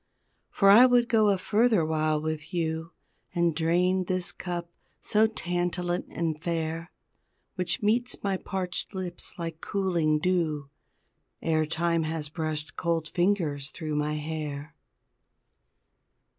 For I would go a further while with you, And drain this cup so tantalant and fair Which meets my parched lips like cooling dew, Ere time has brushed cold fingers thru my hair!